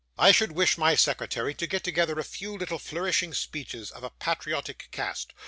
I should wish my secretary to get together a few little flourishing speeches, of a patriotic cast.